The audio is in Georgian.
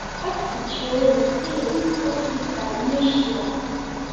აბსიდში ორი მცირე სწორკუთხა ნიშია.